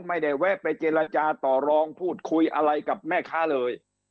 แวะไปเจรจาต่อรองพูดคุยอะไรกับแม่ค้าเลย